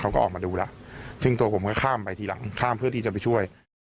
เขาก็ออกมาดูแล้วซึ่งตัวผมก็ข้ามไปทีหลังข้ามเพื่อที่จะไปช่วย